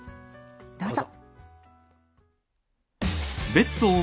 どうぞ。